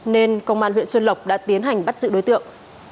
nên công an huyện xuân lộc đã tiến hành bắt giữ đối tượng